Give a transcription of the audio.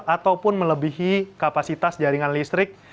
ataupun melebihi kapasitas jaringan listrik